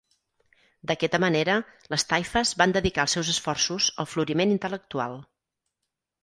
D'aquesta manera, les taifes van dedicar els seus esforços al floriment intel·lectual.